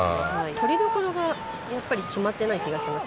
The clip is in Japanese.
とりどころが決まってない気がします。